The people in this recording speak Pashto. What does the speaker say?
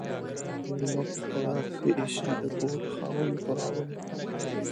ميلمه په خوراک ِښه ايسي ، د کور خاوند ، په راوړلو.